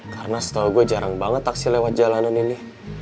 karena setau gue jarang banget taksi lewat jalanan ini